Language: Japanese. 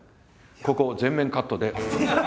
ここ全面カットで。